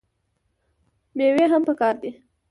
میوې هم پکار دي.